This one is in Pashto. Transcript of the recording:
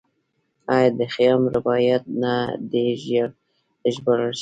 آیا د خیام رباعیات نه دي ژباړل شوي؟